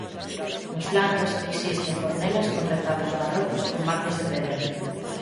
Nos flancos existen fornelas con retablos barrocos con marcos de pedra.